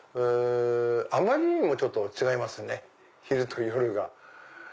あまりにも違いますね昼と夜が。